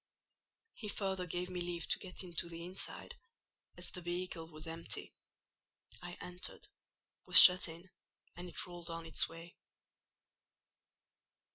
He further gave me leave to get into the inside, as the vehicle was empty: I entered, was shut in, and it rolled on its way.